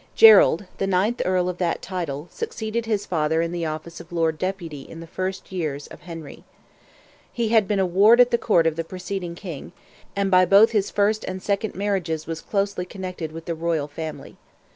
Gerald, the ninth Earl of that title, succeeded his father in the office of Lord Deputy in the first years of Henry. He had been a ward at the court of the preceding King, and by both his first and second marriages was closely connected with the royal family.